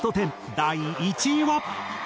第１位は。